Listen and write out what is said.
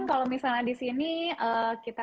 kalau misalnya di sini kita